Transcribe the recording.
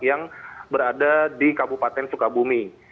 yang berada di kabupaten sukabumi